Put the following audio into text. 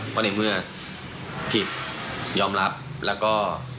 เพราะในเมื่อผิดยอมรับแล้วก็